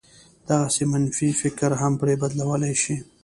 دغسې منفي فکر هم پرې بدلولای شي.